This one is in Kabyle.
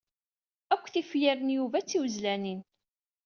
Akk tifyar n Yuba d tiwezlanin.